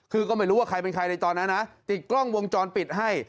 คือก็ไม่รู้ว่าใครเป็นใครในตอนนั้นนะติดกล้องวงจรปิดให้